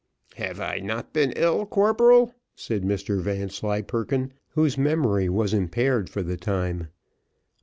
"Have I not been ill, corporal?" said Mr Vanslyperken, whose memory was impaired for the time.